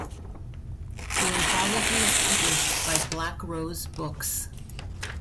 The anthology is published by Black Rose Books.